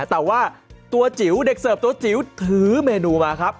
แต่ว่าตัวจิ๋วเด็กเสิร์ฟตัวจิ๋วถือเมนูมาครับ